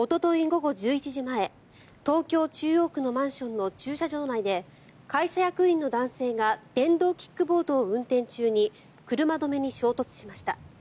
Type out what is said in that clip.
午後１１時前東京・中央区のマンションの駐車場内で会社役員の男性が電動キックボードを運転中に車止めに衝突しました。